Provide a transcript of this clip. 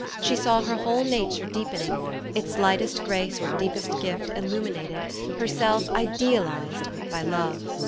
She saw her whole na ture deepening, its lightest grace or deepest gift illuminated, herself idealized, by love.